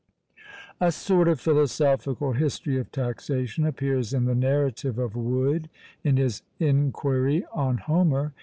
A sort of philosophical history of taxation appears in the narrative of Wood, in his "Inquiry on Homer."